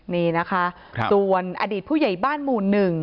นี่นะคะส่วนอดีตผู้ใหญ่บ้านหมู่๑